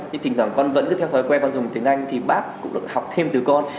thì thỉnh thoảng con vẫn cứ theo thói quen con dùng tiếng anh thì bác cũng được học thêm từ con